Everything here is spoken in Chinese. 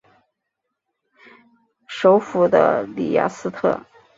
首府的里雅斯特。